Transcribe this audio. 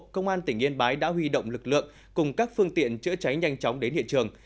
công an tỉnh yên bái đã huy động lực lượng cùng các phương tiện chữa cháy nhanh chóng đến hiện trường